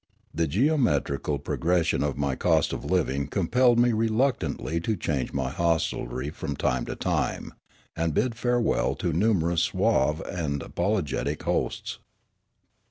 The geometrical progression of my cost of living compelled me reluct antly to change my hostelry from time to time, and bid farewell to numerous suave and apologetic hosts.